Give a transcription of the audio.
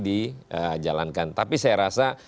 dijalankan tapi saya rasa